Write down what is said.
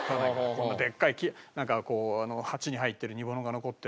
こんなでっかい鉢に入ってる煮物が残って。